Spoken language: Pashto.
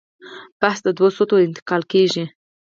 بحث دوو سطحو ته انتقال کېږي.